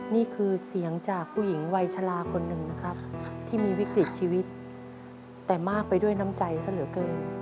นี่คือเสียงจากผู้หญิงวัยชะลาคนหนึ่งนะครับที่มีวิกฤตชีวิตแต่มากไปด้วยน้ำใจซะเหลือเกิน